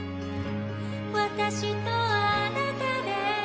「私とあなたで」